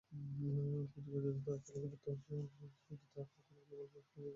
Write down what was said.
পুঁজিবাজারে তালিকাভুক্ত ওষুধ খাতের গ্লোবাল হেভি কেমিক্যালস লিমিটেড শেয়ারধারীদের জন্য লভ্যাংশ ঘোষণা করেছে।